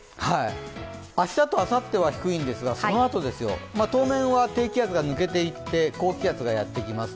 明日とあさっては低いんですがその後ですよ、当面は低気圧が抜けていって高気圧がやってきます。